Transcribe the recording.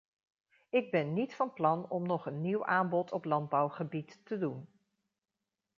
Ik ben niet van plan om nog een nieuw aanbod op landbouwgebied te doen.